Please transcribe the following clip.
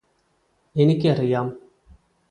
എനിക്കറിയാം